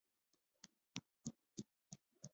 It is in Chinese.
具有此故事背景的小说合称为伊库盟系列。